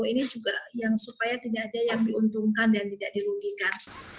ini juga yang supaya tidak ada yang diuntungkan dan tidak dirugikan